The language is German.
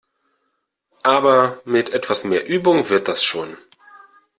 Aber mit etwas mehr Übung wird das schon!